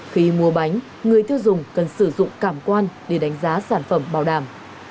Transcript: khi mua bánh người tiêu dùng cần sử dụng cảm quan để đánh giá sản phẩm bảo đảm